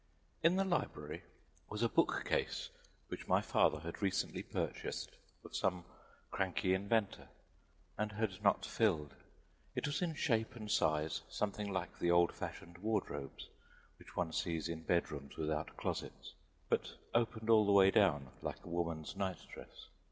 In the library was a book case which my father had recently purchased of some cranky inventor and had not filled. It was in shape and size something like the old fashioned "ward robes" which one sees in bed rooms without closets, but opened all the way down, like a woman's night dress.